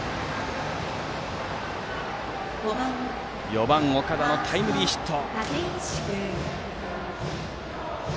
４番、岡田のタイムリーヒット。